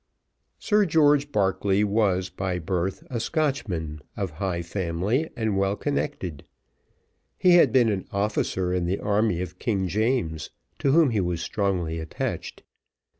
Sir George Barclay was by birth a Scotchman, of high family, and well connected. He had been an officer in the army of King James, to whom he was strongly attached.